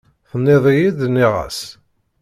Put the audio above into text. Tenniḍ-iyi-d, nniɣ-as.